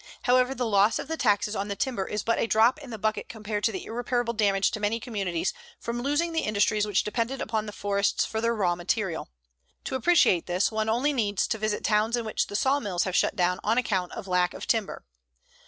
However, the loss of the taxes on the timber is but a drop in the bucket compared to the irreparable damage to many communities from losing the industries which depended upon the forests for their raw material. To appreciate this one only needs to visit towns in which the sawmills have shut down on account of lack of timber.